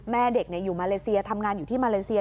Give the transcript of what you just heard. แม่เด็กอยู่มาเลเซียทำงานอยู่ที่มาเลเซีย